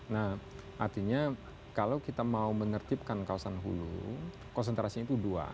nah artinya kalau kita mau menertibkan kawasan hulu konsentrasinya itu dua